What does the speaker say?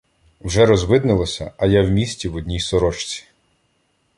Вже розвиднялося, а я в місті, в одній сорочці.